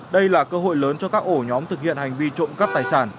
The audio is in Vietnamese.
đây là cơ hội lớn cho các ổ nhóm thực hiện hành vi trộm cắp tài sản